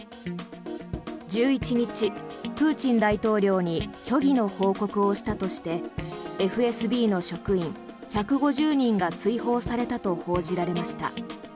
１１日、プーチン大統領に虚偽の報告をしたとしてＦＳＢの職員１５０人が追放されたと報じられました。